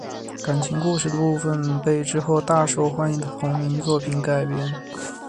感情故事的部分被之后大受欢迎的同名作品改编。